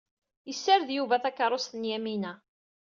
Yessared Yuba takeṛṛust n Yamina.